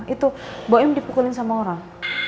itu bom dipukulin sama orang